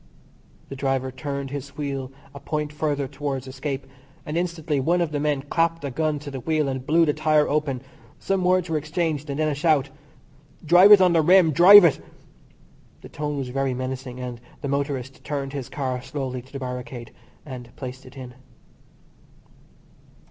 The driver turned his wheel a point further towards escape, and instantly one of the men clapped a gun to the wheel and blew the tyre open. Some words were exchanged, and then a shout: "Drive it on the rim, drive it." The tone was very menacing, and the motorist turned his car slowly to the barricade and placed it in.